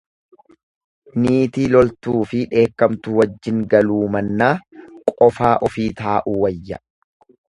Niitii loltuufi dheekkamtu wajjin galuu mannaa qofaa ofii taa'uu wayya.